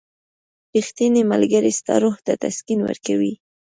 • ریښتینی ملګری ستا روح ته تسکین ورکوي.